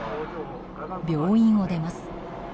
病院を出ます。